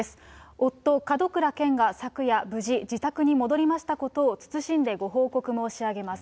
夫、門倉健が昨夜、無事自宅に戻りましたことを謹んでご報告申し上げます。